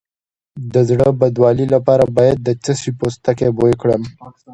د زړه بدوالي لپاره باید د څه شي پوستکی بوی کړم؟